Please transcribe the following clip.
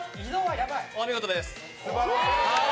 お見事です。